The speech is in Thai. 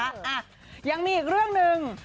อ่ะยังมีอีกเรื่องหนึ่ง